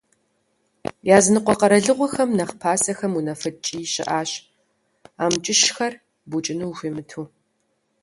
Языныкъуэ къэралыгъуэхэм нэхъ пасэхэм унафэ ткӀий щыӀащ амкӀыщхэр букӀыну ухуимыту.